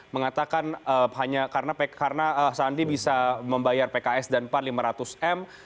mengatakan hanya karena sandi bisa membayar pks dan pan lima ratus m